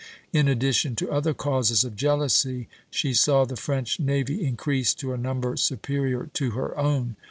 In addition to other causes of jealousy she saw the French navy increased to a number superior to her own.